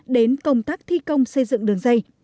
đến công tác thi công xây dựng đường dây